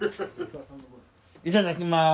いただきます。